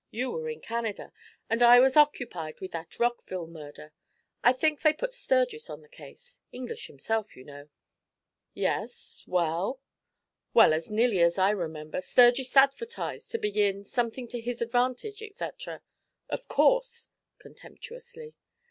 You were in Canada, and I was occupied with that Rockville murder. I think they put Sturgis on the case. English himself, you know.' 'Yes well?' 'Well, as nearly as I remember, Sturgis advertised, to begin, "something to his advantage," etc.' 'Of course!' contemptuously.